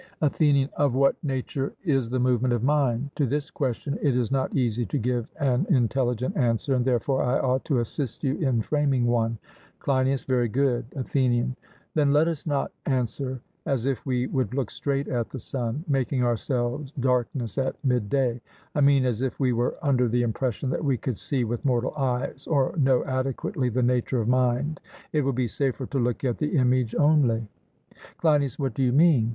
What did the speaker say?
ATHENIAN: Of what nature is the movement of mind? To this question it is not easy to give an intelligent answer; and therefore I ought to assist you in framing one. CLEINIAS: Very good. ATHENIAN: Then let us not answer as if we would look straight at the sun, making ourselves darkness at midday I mean as if we were under the impression that we could see with mortal eyes, or know adequately the nature of mind it will be safer to look at the image only. CLEINIAS: What do you mean?